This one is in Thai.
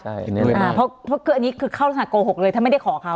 ใช่ใช่อันเนี้ยอ่าเพราะเพราะคืออันนี้คือเข้าสนัดโกหกเลยถ้าไม่ได้ขอเขา